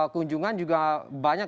kunjungan juga banyak